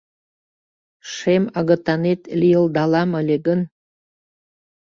Шем агытанет лийылдалам ыле гын